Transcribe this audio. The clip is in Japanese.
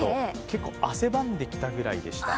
結構汗ばんできたぐらいでした。